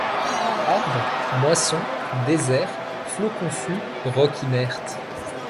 Arbres, moissons, déserts, flots confus, rocs inertes